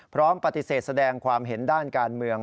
พร้อมปฏิเสธแสดงความเห็นด้านการเมือง